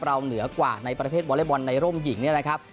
เหนือกว่าในประเภทวอเล็กบอลในร่มหญิงเนี่ยนะครับ